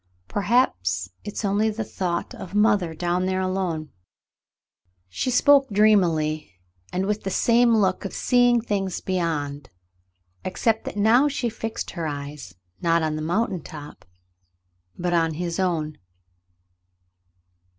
Perhaps it's only the thought of mother down there alone." She spoke dreamily and with the same look of seeing things beyond, except that now she fixed her eyes, not on the mountain top, but on his own.